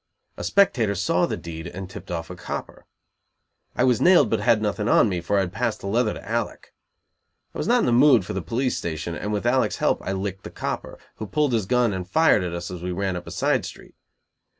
A spectator saw the deed and tipped off a copper. I was nailed, but had nothing on me, for I had passed the leather to Alec. I was not in the mood for the police station, and with Alec's help I "licked" the copper, who pulled his gun and fired at us as we ran up a side street.